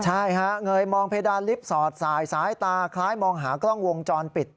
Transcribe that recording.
ใช่ฮะเงยมองเพดานลิฟต์สอดสายสายตาคล้ายมองหากล้องวงจรปิด